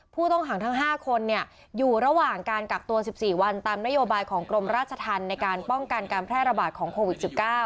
ผู้ต้องหาทั้ง๕คนอยู่ระหว่างการกักตัว๑๔วันตามนโยบายของกรมราชธรรมในการป้องกันการแพร่ระบาดของโควิด๑๙